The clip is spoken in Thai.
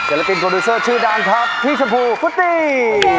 เศรษฐ์ศิลปินโปรดูเซอร์ชื่อดังครับพี่ชมพูฟุตตี้